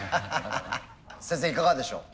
先生いかがでしょう？